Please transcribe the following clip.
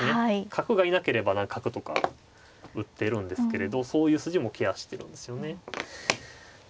角がいなければ角とか打てるんですけれどそういう筋もケアしてるんですよね。